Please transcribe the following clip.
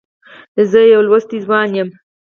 زه يو لوستی ځوان یم.